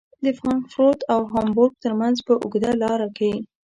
د فرانکفورت او هامبورګ ترمنځ په اوږده لاره کې.